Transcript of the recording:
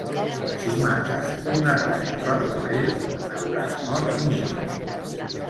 Si mates una rata per l'abril, n'hauràs mort mil.